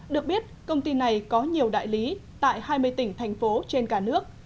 được biết công ty này có nhiều đại lý tại hai mươi tỉnh thành phố trên cả nước